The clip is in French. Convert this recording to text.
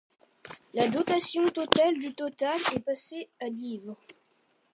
La dotation totale du total est passée à livres.